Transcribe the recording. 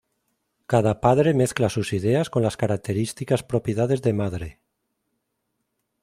Cada padre mezcla sus ideas con las características propiedades de Madre.